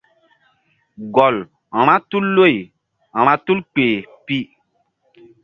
Gɔl vba tul loy vba tul kpeh pi.